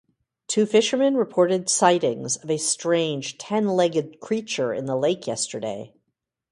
Two fishermen reported sightings of a strange ten-legged creature in the lake yesterday.